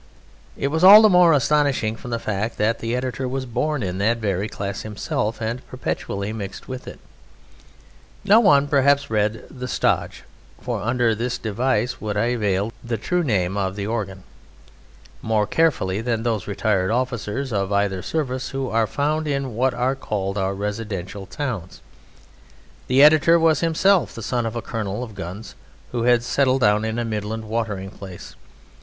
It was all the more astonishing from the fact that the editor was born in that very class himself and perpetually mixed with it. No one perhaps read "The Stodge" (for under this device would I veil the true name of the organ) more carefully than those retired officers of either service who are to be found in what are called our "residential" towns. The editor was himself the son of a colonel of guns who had settled down in a Midland watering place.